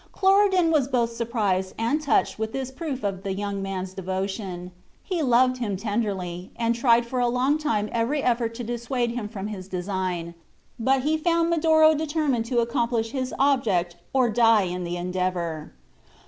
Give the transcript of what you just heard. Cloridan was both surprised and touched with this proof of the young man's devotion. He loved him tenderly, and tried for a long time every effort to dissuade him from his design; but he found Medoro determined to accomplish his object or die in the endeavor.